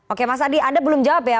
oke mas adi anda belum jawab ya